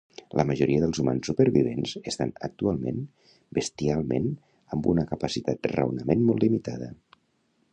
La majoria dels humans supervivents estan actuant bestialment amb una capacitat raonament molt limitada